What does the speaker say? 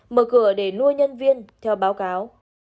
mở cửa để nuôi nhân viên theo báo cáo